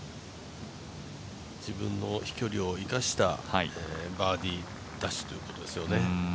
自分の飛距離を生かしたバーディー出しということですよね